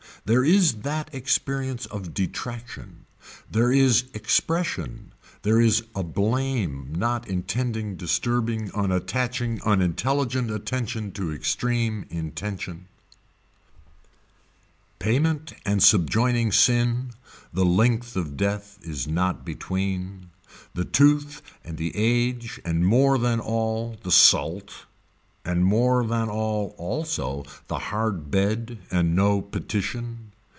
There is that experience of detraction. There there is expression, there is a blame not intending disturbing unattaching unintelligent attention to extreme intention. Payment and subjoining sin, the length of death is not between, the tooth and the age and more than all, the salt, and more than all also the hard bed and no petition.